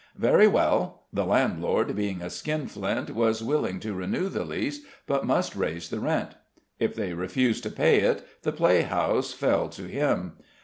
"Very well. The landlord, being a skinflint, was willing to renew the lease, but must raise the rent. If they refuse to pay it, the playhouse fell to him.